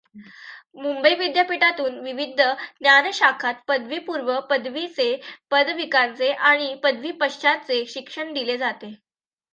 मुंबई विद्यापीठातून विविध ज्ञानशाखांत पदवीपूर्व, पदवीचे, पदविकांचे आणि पदवी पश्चातचे शिक्षण दिले जाते.